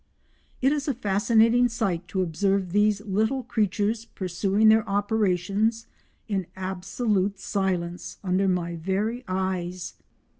It is a fascinating sight to observe these little creatures pursuing their operations in absolute silence under my very eyes.